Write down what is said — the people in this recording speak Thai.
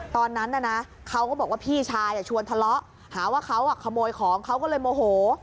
ตอนนั้นนะเขาก็บอกว่าพี่ชายชวนทะเลาะหาว่าเขาขโมยของเขาก็เลยโมโห